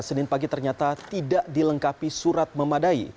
senin pagi ternyata tidak dilengkapi surat memadai